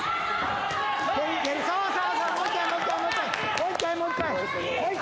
もう一回もう一回！